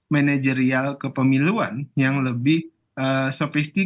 tentara sudah melakukan konstruksi